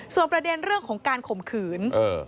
ส่วนประเด็นเรื่องของการข่มขืน